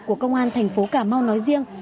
của công an thành phố cà mau nói riêng